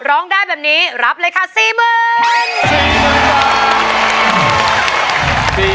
ร้องได้แบบนี้รับเลยค่ะ๔๐๐๐บาท